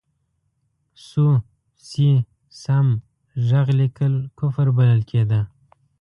سو، سي، سم، ږغ لیکل کفر بلل کېده.